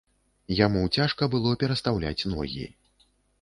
Яму цяжка было перастаўляць ногі.